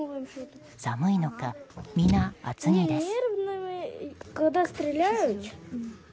寒いのか、皆、厚着です。